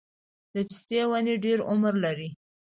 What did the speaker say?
د پستې ونه ډیر عمر لري؟